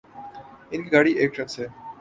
ان کی گاڑی ایک ٹرک سے